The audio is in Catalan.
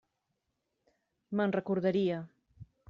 Me'n recordaria.